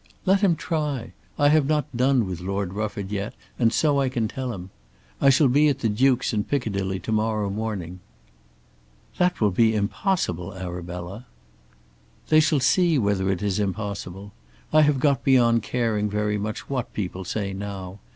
"Let him try. I have not done with Lord Rufford yet, and so I can tell him. I shall be at the Duke's in Piccadilly to morrow morning." "That will be impossible, Arabella." "They shall see whether it is impossible. I have got beyond caring very much what people say now.